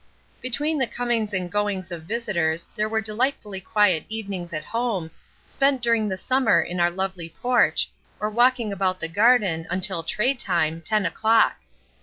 Between the comings and goings of visitors there were delightfully quiet evenings at home, spent during the summer in our lovely porch, or walking about the garden, until "tray time," ten o'clock.